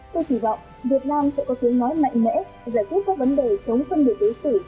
tôi kỳ vọng việt nam sẽ có tiếng nói mạnh mẽ giải quyết các vấn đề chống phân biệt đối xử